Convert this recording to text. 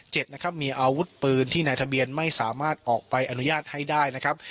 นะครับมีอาวุธปืนที่นายทะเบียนไม่สามารถออกใบอนุญาตให้ได้นะครับ